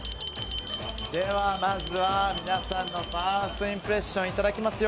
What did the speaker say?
まずは皆さんのファーストインプレッションをいただきますよ。